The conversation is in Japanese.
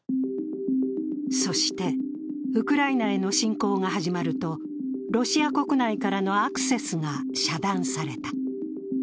そして、ウクライナへの侵攻が始まるとロシア国内からのアクセスが遮断された。